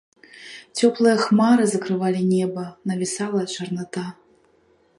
Цёплыя хмары закрывалі неба, навісала чарната.